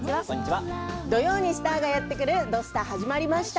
土曜にスターがやってくる「土スタ」始まりました。